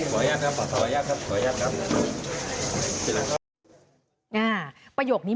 คุยกับตำรวจเนี่ยคุยกับตำรวจเนี่ย